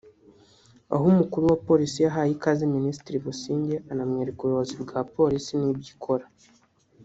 aho umukuru wa Polisi yahaye ikaze Minisitiri Busingye anamwereka ubuyobozi bwa Polisi n’ibyo ikora